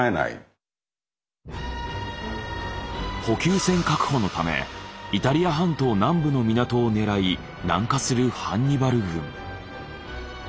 補給線確保のためイタリア半島南部の港を狙い南下するハンニバル軍。